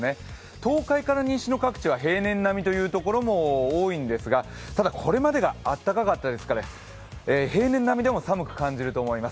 東海から西の各地は平年並みの所が多いんですけれどもただ、これまでがあったかかったですから平年並みでも寒く感じると思います